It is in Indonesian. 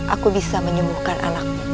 aku bisa menyembuhkan anakmu